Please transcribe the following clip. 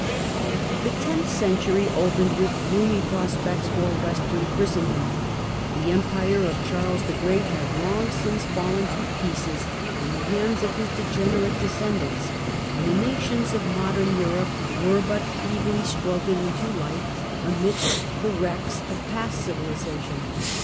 The tenth century opened with gloomy prospects for Western Christendom. The Empire of Charles the Great had long since fallen to pieces in the hands of his degenerate descendants, and the nations of modern Europe were but feebly struggling into life amidst the wrecks of past civilization.